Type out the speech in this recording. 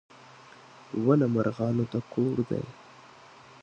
• ونه مرغانو ته کور دی.